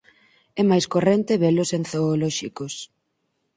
É máis corrente velos en zoolóxicos.